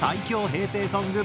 平成ソング